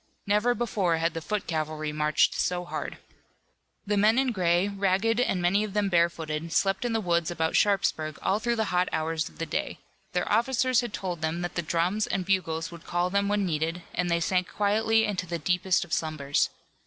Never before had the foot cavalry marched so hard. The men in gray, ragged and many of them barefooted, slept in the woods about Sharpsburg all through the hot hours of the day. Their officers had told them that the drums and bugles would call them when needed, and they sank quietly into the deepest of slumbers.